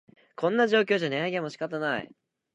こんな状況じゃ値上げも仕方ない